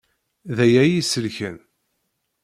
D aya i yi-selken.